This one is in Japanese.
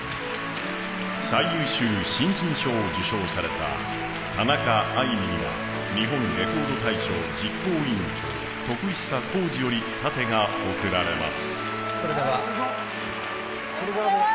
最優秀新人賞を受賞された田中あいみには日本レコード大賞実行委員長、徳久広司より盾が贈られます。